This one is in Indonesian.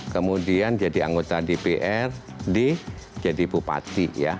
kemudian jadi anggota dprd jadi bupati ya